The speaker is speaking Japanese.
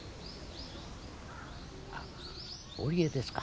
あっ織江ですか？